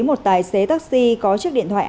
một tài xế taxi có chiếc điện thoại